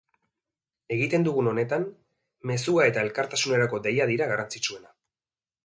Egiten dugun honetan, mezua eta elkartasunerako deia dira garrantzitsuena.